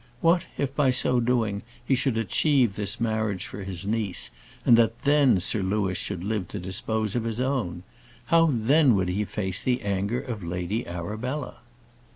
What, if by so doing he should achieve this marriage for his niece, and that then Sir Louis should live to dispose of his own? How then would he face the anger of Lady Arabella?